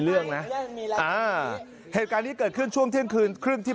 เรื่องนะอ่าเหตุการณ์นี้เกิดขึ้นช่วงเที่ยงคืนครึ่งที่